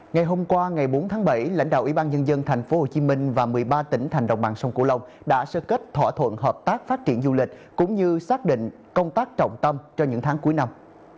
ngày hôm qua ngày bốn tháng bảy lãnh đạo ủy ban nhân dân thành phố hồ chí minh và một mươi ba tỉnh thành đồng bằng sông cổ lông đã sơ kết thỏa thuận hợp tác phát triển du lịch cũng như xác định công tác trọng tâm cho những tháng cuối năm